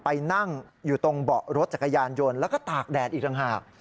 ไปนั่งอยู่ตรงเบาะรถจักรยานยนต์แล้วก็ตากแดดอีกต่างหาก